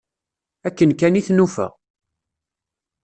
Akken kan i t-nufa.